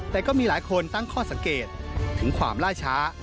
แต่ก็มีหลายคนตั้งข้อสังเกตถึงความล่าช้า